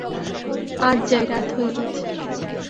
আজ যাই, রাত হয়ে গেছে।